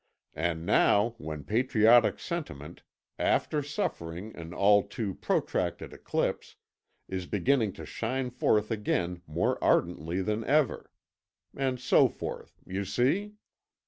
And now, when patriotic sentiment, after suffering an all too protracted eclipse, is beginning to shine forth again more ardently than ever ...' and so forth; you see?"